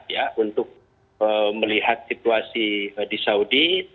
ya untuk melihat situasi di saudi